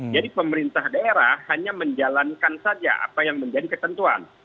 jadi pemerintah daerah hanya menjalankan saja apa yang menjadi ketentuan